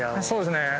そうですね。